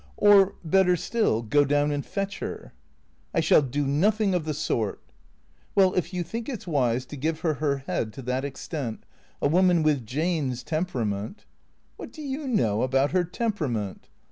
" Or better still, go down and fetch her." " I shall do nothing of the sort." " Well, if you think it 's wise to give her her head to that ex tent — a woman with Jane's temperament " "What do you know about her temperament?"